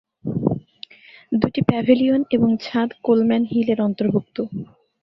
দুটি প্যাভিলিয়ন এবং ছাদ কোলম্যান হিল এর অন্তর্ভুক্ত।